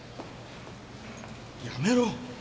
やめろ！